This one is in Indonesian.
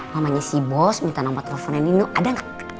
mamanya si bos minta nombor teleponnya nino ada gak